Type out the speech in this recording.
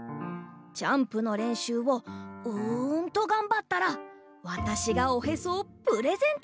ジャンプのれんしゅうをうんとがんばったらわたしがおへそをプレゼントしてあげよう。